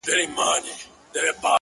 بدكارمو كړی چي وركړي مو هغو ته زړونه”